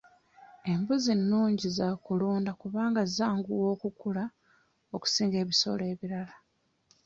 Embuzi nungi za kulunda kubanga zanguwa okukula okusinga ebisolo ebirala.